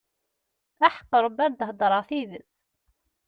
Aḥeqq Rebbi ar d-heddṛeɣ tidet.